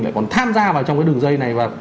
lại còn tham gia vào trong cái đường dây này và